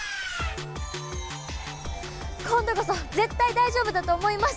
今度こそ絶対大丈夫だと思います。